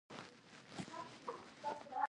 ریښه یې په اروپايي استعمار کې وه.